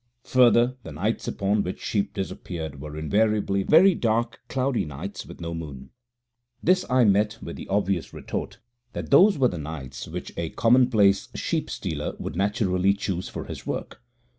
Further, the nights upon which sheep disappeared were invariably very dark, cloudy nights with no moon. This I met with the obvious retort that those were the nights which a commonplace sheep stealer would naturally choose for his work.